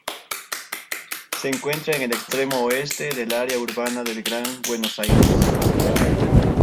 Se encuentra en el extremo oeste del área urbana del Gran Buenos Aires.